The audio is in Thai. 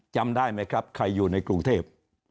จำได้ไหมครับใครอยู่ในกรุงเทพ